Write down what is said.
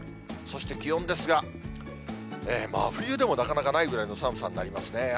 そして気温ですが、真冬でもなかなかないぐらいの寒さになりますね。